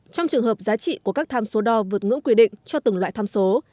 trong trường hợp giá trị của các tham số đo vượt ngưỡng quy định cho từng loại tham số